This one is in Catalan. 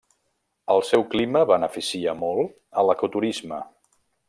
El seu clima beneficia molt a l'ecoturisme.